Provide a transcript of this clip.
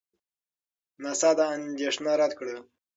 ناسا دا اندېښنه رد کړه.